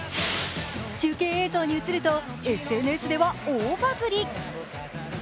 中継映像に映るとＳＮＳでは大バズり。